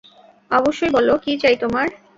অবশ্যই বলো কী চাই তোমার।